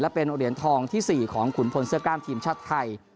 เป็นเหรียญทองที่๔ของขุนพลเสื้อกล้ามทีมชาติไทย